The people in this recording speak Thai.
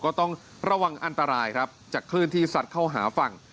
ก็ต้องระวังอันตรายครับจากคลื่นที่สัดเข้าหาฝั่ง